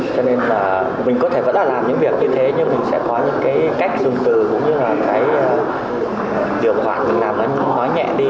cho nên là mình có thể vẫn là làm những việc như thế nhưng mình sẽ có những cái cách dùng từ cũng như là cái điều khoản mình làm ấy nó nói nhẹ đi